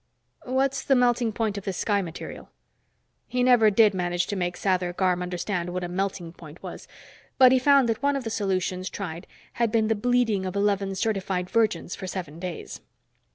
"What's the melting point of this sky material?" He never did manage to make Sather Garm understand what a melting point was. But he found that one of the solutions tried had been the bleeding of eleven certified virgins for seven days.